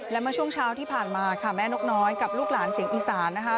และเมื่อช่วงเช้าที่ผ่านมาค่ะแม่นกน้อยกับลูกหลานเสียงอีสานนะคะ